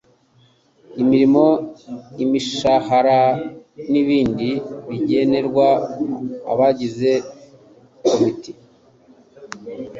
imirimo imishahara n ibindi bigenerwa abagize komite